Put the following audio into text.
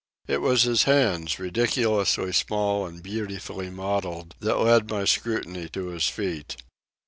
It was his hands, ridiculously small and beautifully modelled, that led my scrutiny to his feet.